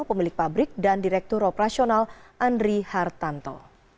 pemilik pabrik dan direktur operasional andri hartanto